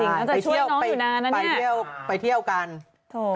อ้าวเพลง